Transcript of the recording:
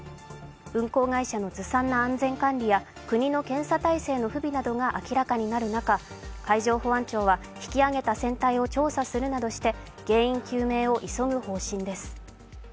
運航会社のずさんな安全管理や国の検査体制の不備などが明らかになる中、海上保安庁は、引き揚げた船体を調査するなどして原因究明を急ぐ方針です。